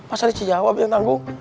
masa di cijawa bilang tanggung